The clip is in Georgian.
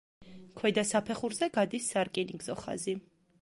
ქვედა საფეხურზე გადის სარკინიგზო ხაზი.